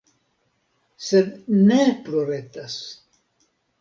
Sed ne ploretas.